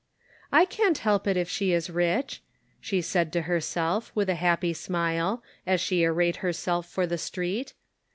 " I can't help it if she is rich," she said to herself, with a happy smile, as she arrayed herself for the street.